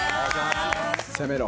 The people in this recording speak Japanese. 攻めろ。